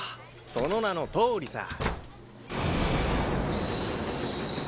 その名のとおりさ。